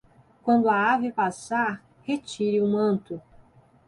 Quando a ave passar, retire o manto.